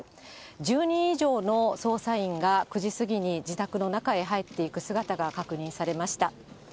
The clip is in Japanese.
１０人以上の捜査員が９時過ぎに自宅の中へ入っていく姿が確認されました。